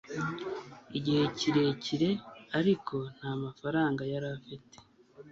Igihe kirekire ariko nta mafaranga yari afite